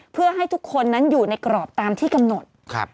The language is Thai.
เพื่อให้ทุกคนนั้นอยู่ในกรอบตามที่กำหนด